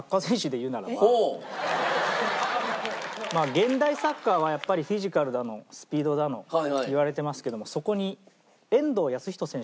現代サッカーはやっぱりフィジカルだのスピードだの言われてますけどもそこに遠藤保仁選手。